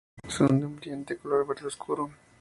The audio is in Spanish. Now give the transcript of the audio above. Son de un brillante color verde oscuro.